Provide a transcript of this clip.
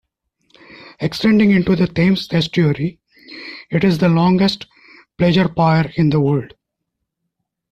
Extending into the Thames Estuary, it is the longest pleasure pier in the world.